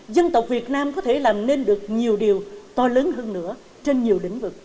dân tộc việt nam có thể làm nên được nhiều điều to lớn hơn nữa trên nhiều lĩnh vực